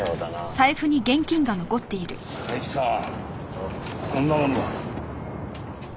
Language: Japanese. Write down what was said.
佐伯さんこんなものが。